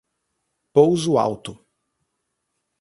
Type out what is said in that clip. Pouso Alto